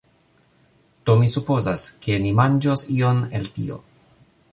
Do, mi supozas, ke ni manĝos ion el tio